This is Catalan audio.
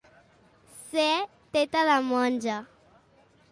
Ser teta de monja.